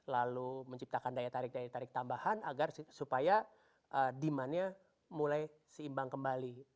lalu menciptakan daya tarik daya tarik tambahan agar supaya demandnya mulai seimbang kembali